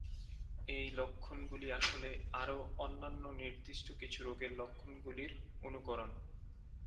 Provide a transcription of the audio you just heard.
এই লক্ষণগুলি আসলে আরও অন্যান্য নির্দিষ্ট কিছু রোগের লক্ষণগুলির অনুকরণ।